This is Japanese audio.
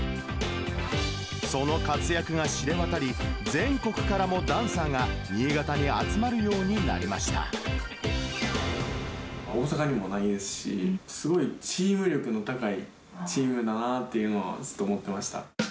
その活躍が知れ渡り、全国からもダンサーが、大阪にもないですし、すごいチーム力の高いチームだなっていうのはずっと思ってました。